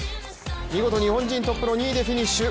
見事、日本人トップの２位でフィニッシュ。